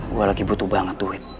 gue lagi butuh banget duit